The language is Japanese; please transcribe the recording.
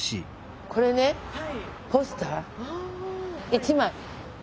１枚。